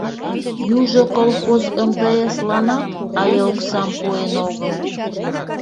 Южо колхоз МТС-ланат але оксам пуэн огыл.